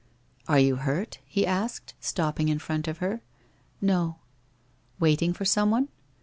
'Are you hurt?' he asked, stopping in front of her. 1 No.' 'Waiting for someone?